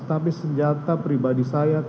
tapi senjata pribadi saya